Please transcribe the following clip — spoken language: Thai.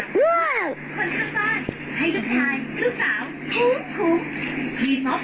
แก้วไปตายดินะอีกน้ำเน้นนิดน้ำ